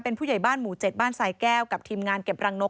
เป็นผู้ใหญ่บ้านหมู่๗บ้านสายแก้วกับทีมงานเก็บรังนก